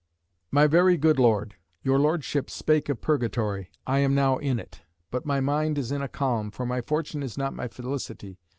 "MY VERY GOOD LORD, Your Lordship spake of Purgatory. I am now in it, but my mind is in a calm, for my fortune is not my felicity.